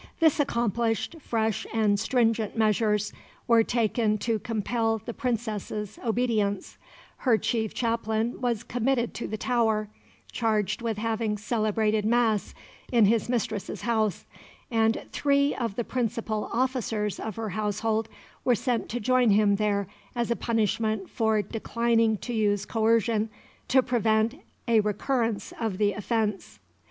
This accomplished, fresh and stringent measures were taken to compel the Princess's obedience; her chief chaplain was committed to the Tower, charged with having celebrated Mass in his mistress's house, and three of the principal officers of her household were sent to join him there as a punishment for declining to use coercion to prevent a recurrence of the offence.